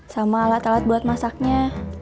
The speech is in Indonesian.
sama alat alat buat masaknya